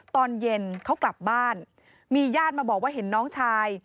ตอนเย็นเขากลับบ้านมีญาติมาบอกว่าเห็นน้องชาย